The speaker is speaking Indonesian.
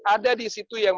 ada di situ yang